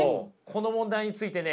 この問題についてね